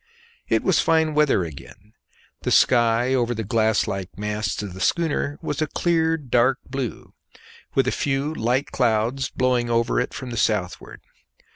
It was fine weather again; the sky over the glass like masts of the schooner was a clear dark blue, with a few light clouds blowing over it from the southward.